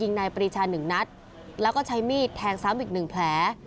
นายปรีชาหนึ่งนัดแล้วก็ใช้มีดแทงซ้ำอีกหนึ่งแผล